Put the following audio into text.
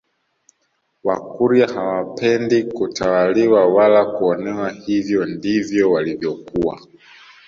Wakurya hawapendi kutawaliwa wala kuonewa hivyo ndivyo walivyokuwa